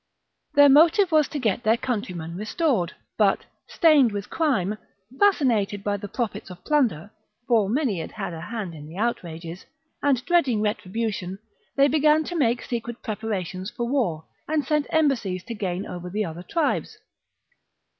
Their motive was to get their countrymen restored ; but, stained with crime, fascinated by the profits of plunder (for many had had a hand in the outrages), and dreading retribution, they began to make secret preparations for war, and sent embassies to gain over the other tribes.